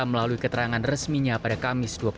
melalui keterangan resminya pada kamis dua puluh mei menegaskan